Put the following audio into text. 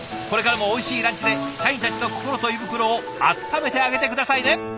これからもおいしいランチで社員たちの心と胃袋をあっためてあげて下さいね！